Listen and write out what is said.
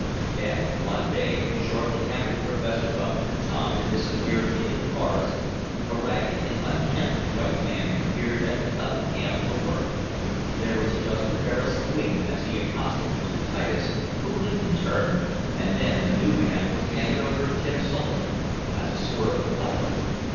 Then one day, shortly after Professor Bumper and Tom had disappeared into the forest, a ragged and unkempt white man applied at the tunnel camp for work. There was just the barest wink as he accosted Mr. Titus, who winked in turn, and then the new man was handed over to Tim Sullivan, as a sort of helper.